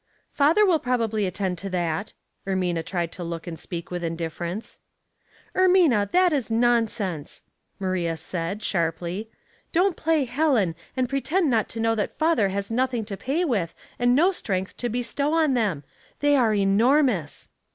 ''Father will probably attend to that." Er mina tried to look and speak with indifference. " Ermina, that is nonsense," Maria said, sharp ly. " Don't play Helen, and pretend not to know that father has nothing to pay with and no strength to bestow on them. They are enor mous."